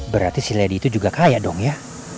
berarti si lady itu juga kaya dong ya